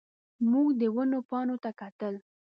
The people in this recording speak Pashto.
موږ د ونو پاڼو ته کتل.